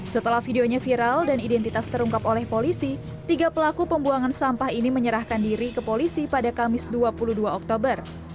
setelah videonya viral dan identitas terungkap oleh polisi tiga pelaku pembuangan sampah ini menyerahkan diri ke polisi pada kamis dua puluh dua oktober